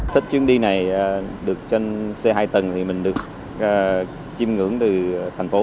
thích chuyến đi này được trên xe hai tầng thì mình được chìm ngưỡng thành phố